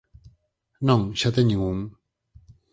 Non, xa teñen un.